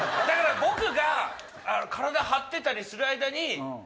だから僕が体張ってたりする間に。